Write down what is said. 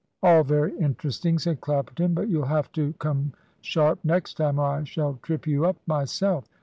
"All very interesting," said Clapperton, "but you'll have to come sharp next time or I shall trip you up myself.